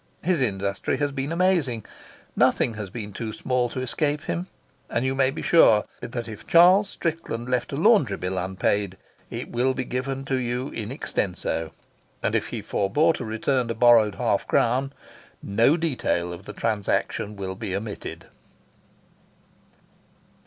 His industry has been amazing. Nothing has been too small to escape him, and you may be sure that if Charles Strickland left a laundry bill unpaid it will be given you , and if he forebore to return a borrowed half crown no detail of the transaction will be omitted.